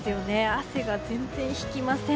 汗が全然引きません。